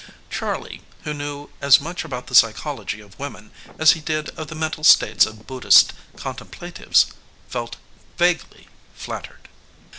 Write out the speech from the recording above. Charley, who knew as much about the psychology of women as he did of the mental states of Buddhist contemplatives, felt vaguely flattered.